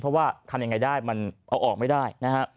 เพราะว่าทำยังไงได้มันเอาออกไม่ได้นะฮะ